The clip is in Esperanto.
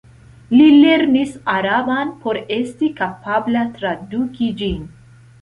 Li lernis araban por esti kapabla traduki ĝin.